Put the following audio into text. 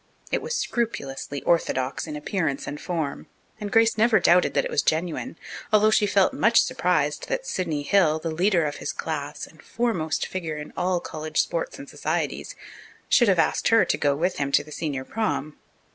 It was scrupulously orthodox in appearance and form, and Grace never doubted that it was genuine, although she felt much surprised that Sidney Hill, the leader of his class and the foremost figure in all college sports and societies, should have asked her to go with him to the senior prom.